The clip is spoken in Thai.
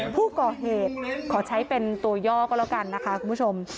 ผู้ก่อเหตุขอใช้เป็นตัวย่อก็แล้วกันนะคะคุณผู้ชม